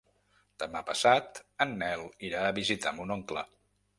Demà passat en Nel irà a visitar mon oncle.